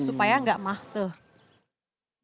supaya enggak mah tuh